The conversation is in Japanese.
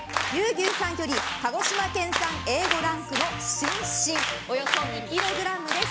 牛さんより鹿児島県産Ａ５ランクのシンシンおよそ２ｋｇです。